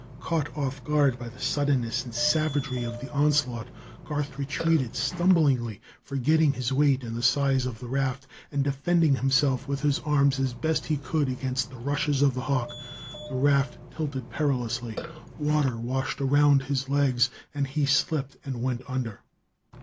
Caught off guard by the suddenness and savagery of the onslaught, Garth retreated stumblingly, forgetting his weight and the size of the raft and defending himself with his arms as best he could against the rushes of the hawk. The raft tilted perilously; water washed around his legs and he slipped and went under.